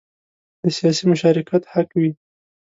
د سیاسي مشارکت حق وي.